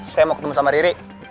saya mau ketemu sama riri